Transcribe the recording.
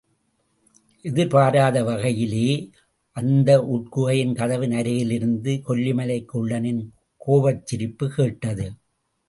எதிர்பாராத வகையிலே அந்த உட்குகையின் கதவின் அருகிருந்து கொல்லிமலைக் குள்ளனின் கோபச்சிரிப்புக் கேட்டது.